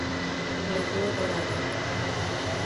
Lagoa Dourada